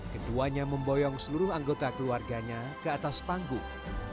keduanya memboyong seluruh anggota keluarganya ke atas panggung